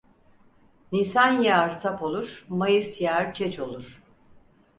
Nisan yağar sap olur, mayıs yağar çeç olur.